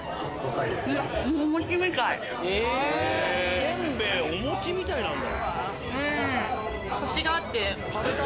せんべいお餅みたいなんだ。